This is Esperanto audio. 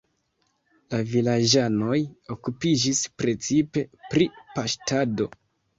La vilaĝanoj okupiĝis precipe pri paŝtado.